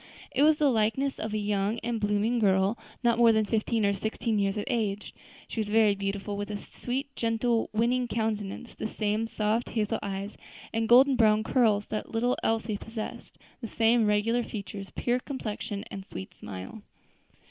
It was the likeness of a young and blooming girl, not more than fifteen or sixteen years of age. She was very beautiful, with a sweet, gentle, winning countenance, the same soft hazel eyes and golden brown curls that the little Elsie possessed; the same regular features, pure complexion, and sweet smile.